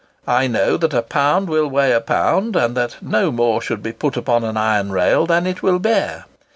I know that a pound will weigh a pound, and that no more should be put upon an iron rail than it will bear.